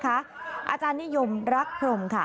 อาจารย์นิยมรักพรมค่ะ